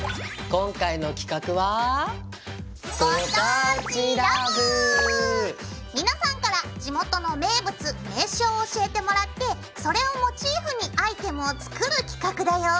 今回の企画は皆さんから地元の名物名所を教えてもらってそれをモチーフにアイテムを作る企画だよ。